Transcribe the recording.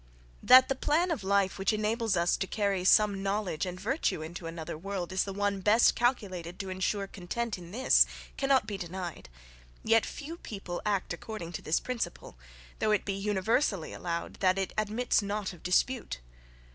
That the plan of life which enables us to carry some knowledge and virtue into another world, is the one best calculated to ensure content in this, cannot be denied; yet few people act according to this principle, though it be universally allowed that it admits not of dispute.